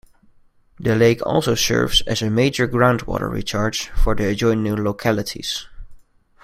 The lake also serves as a major ground water recharge for the adjoining localities.